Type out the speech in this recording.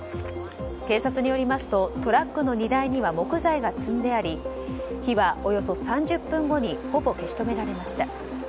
警察によりますとトラックの荷台には木材が積んであり火はおよそ３０分後にほぼ消し止められました。